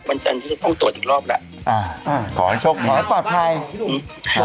วันจันทร์ฉันจะต้องตรวจอีกรอบล่ะอ่าอ่าขอให้ช่วงขอให้ปลอดภัยขอให้ปลอดภัย